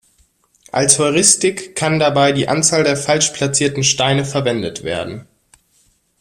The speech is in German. Als Heuristik kann dabei die Anzahl der falsch platzierten Steine verwendet werden.